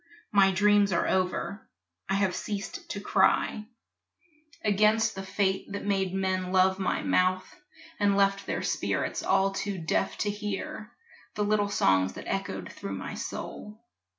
My dreams are over, I have ceased to cry Against the fate that made men love my mouth And left their spirits all too deaf to hear The little songs that echoed through my soul.